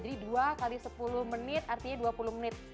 jadi dua x sepuluh menit artinya dua puluh menit